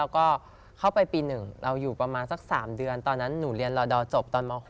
ก็เข้าไปปี๑เราอยู่ประมาณสัก๓เดือนตอนนั้นหนูเรียนรอดอร์จบตอนม๖